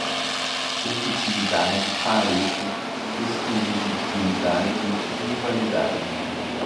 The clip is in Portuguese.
efetividade, pareto, exclusibilidade, rivalidade